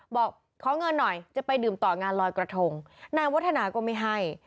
บอกขอเงินหน่อยจะไปดื่มต่องานลอยกระทงนายวัฒนาก็ไม่ให้